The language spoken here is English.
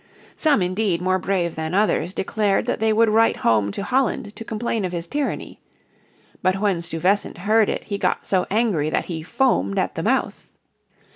Some indeed, more brave than others, declared that they would write home to Holland to complain of his tyranny. But when Stuyvesant heard it he got so angry that he foamed at the mouth.